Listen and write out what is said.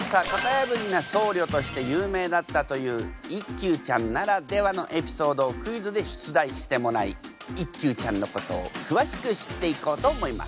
やぶりな僧侶として有名だったという一休ちゃんならではのエピソードをクイズで出題してもらい一休ちゃんのことを詳しく知っていこうと思います。